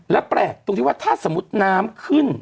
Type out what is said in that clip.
และแปลกตรงที่ว่าถ้าสมมุติน้ำขึ้น